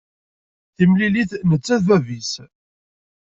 Timlilit netta d bab-is.